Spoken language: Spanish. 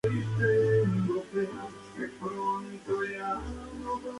Pero de considerable importancia en la marca para el desarrollo de futuros proyectos.